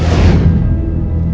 tidak ada yang bisa diberikan